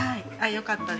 よかったです。